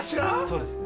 そうですね。